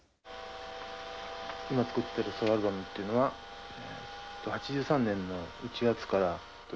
今作ってるソロアルバムっていうのは８３年の１月から６月まで。